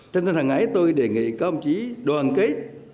tinh thần hàng ngày tôi đề nghị các ông chí đoàn kết